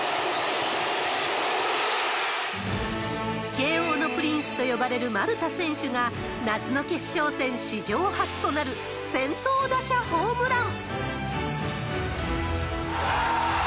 慶応のプリンスと呼ばれる丸田選手が、夏の決勝戦史上初となる、先頭打者ホームラン。